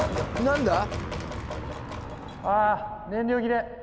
何だ⁉「あ燃料切れ！